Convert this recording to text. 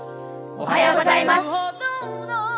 おはようございます。